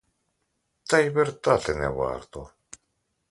Та й вертати не варто.